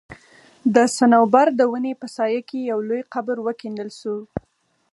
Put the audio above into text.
د صنوبر د وني په سايه کي يو لوى قبر وکيندل سو